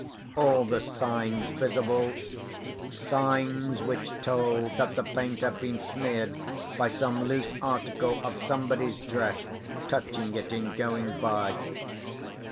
All the signs visible—signs which told that the paint had been smeared by some loose article of somebody's dress touching it in going by.